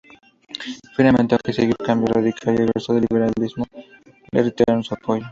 Finalmente, aunque siguió, Cambio Radical y el grueso del liberalismo le retiraron su apoyo.